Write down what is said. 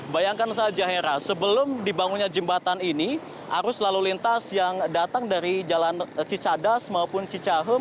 bayangkan saja hera sebelum dibangunnya jembatan ini arus lalu lintas yang datang dari jalan cicadas maupun cicahem